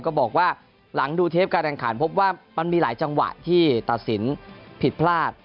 ก็บอกว่าหลังดูเทปการแข่งขันพบว่ามันมีหลายจังหวะที่ตัดสินผิดพลาด